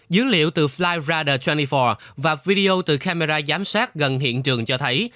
dữ liệu từ flyradar hai mươi bốn và video từ camera giám sát gần hiện trường cho thấy